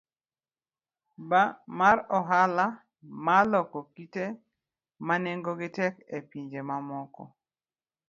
B. mar Ohala mar loko kite ma nengogi tekgo e pinje mamoko,